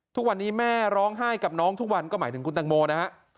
ทุกวันนี้แม่ร้องไห้กับน้องทุกวันก็หมายถึงคุณตังโมนะฮะ